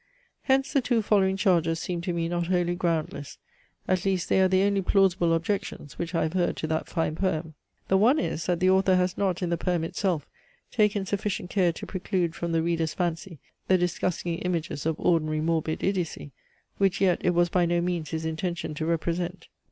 Hence the two following charges seem to me not wholly groundless: at least, they are the only plausible objections, which I have heard to that fine poem. The one is, that the author has not, in the poem itself, taken sufficient care to preclude from the reader's fancy the disgusting images of ordinary morbid idiocy, which yet it was by no means his intention to represent.